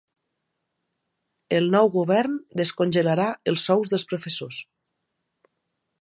El nou govern descongelarà els sous dels professors.